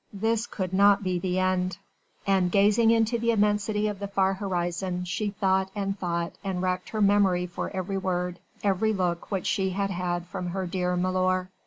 This could not be the end! And gazing into the immensity of the far horizon she thought and thought and racked her memory for every word, every look which she had had from her dear milor.